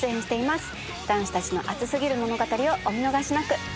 男子たちの熱過ぎる物語をお見逃しなく。